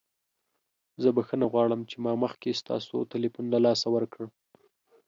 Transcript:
زه بخښنه غواړم چې ما مخکې ستاسو تلیفون له لاسه ورکړ.